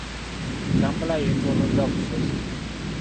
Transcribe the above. Kampala yeetooloddwa busozi.